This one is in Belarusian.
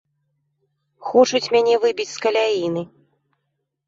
Хочуць мяне выбіць з каляіны.